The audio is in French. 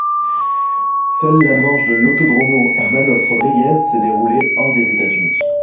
Seule la manche de l'Autódromo Hermanos Rodríguez s'est déroulée hors des États-Unis.